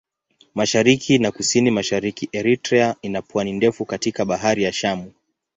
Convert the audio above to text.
Mashariki na Kusini-Mashariki Eritrea ina pwani ndefu katika Bahari ya Shamu.